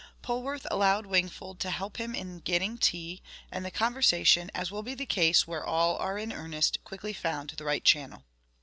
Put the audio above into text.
Polwarth allowed Wingfold to help him in getting tea, and the conversation, as will be the case where all are in earnest, quickly found the right channel.